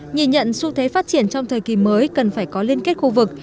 nhìn nhận xu thế phát triển trong thời kỳ mới cần phải có liên kết khu vực